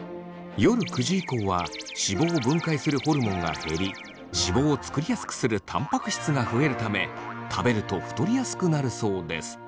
夜９時以降は脂肪を分解するホルモンが減り脂肪を作りやすくするたんぱく質が増えるため食べると太りやすくなるそうです。